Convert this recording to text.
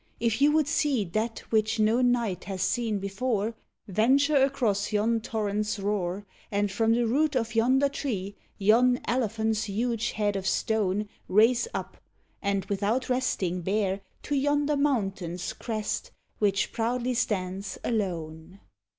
If you would see That which no knight has seen before, Venture across yon torrent's roar, And from the root of yonder tree Yon elephant's huge head of stone Raise up, and, without resting, bear To yonder mountain's crest, which proudly stands alone."